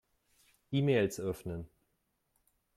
E-Mails öffnen.